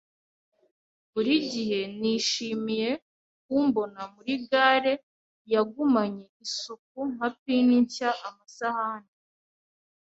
burigihe nishimiye kumbona muri galle, yagumanye isuku nka pin nshya, amasahani